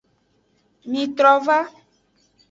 Mitrova.